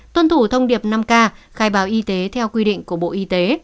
tuân thủ thông điệp năm k khai báo y tế theo quy định của bộ y tế